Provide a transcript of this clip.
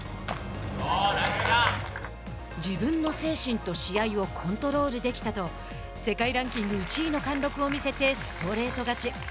自分の精神と試合をコントロールできたと世界ランキング１位の貫禄を見せて、ストレート勝ち。